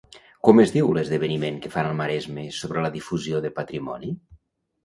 Com es diu l'esdeveniment que fan al Maresme sobre la difusió de patrimoni?